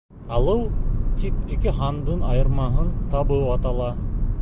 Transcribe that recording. Алыу тип ике һандың айырмаһын табыу атала